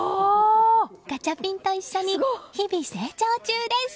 ガチャピンと一緒に日々成長中です。